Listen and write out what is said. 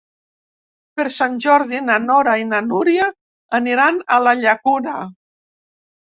Per Sant Jordi na Nora i na Núria aniran a la Llacuna.